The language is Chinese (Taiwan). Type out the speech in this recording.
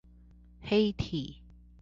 黑體